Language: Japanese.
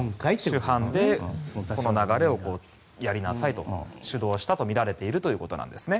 主犯でこの流れをやりなさいと主導したとみられているということなんですね。